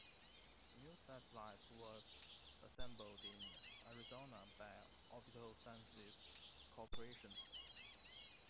The new satellite was assembled in Arizona by Orbital Sciences Corporation.